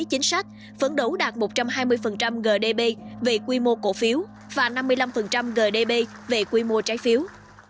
chính sách phấn đấu đạt một trăm hai mươi gdp về quy mô cổ phiếu và năm mươi năm gdp về quy mô trái phiếu